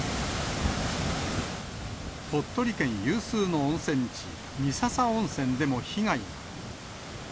鳥取県有数の温泉地、三朝温泉でも被害が。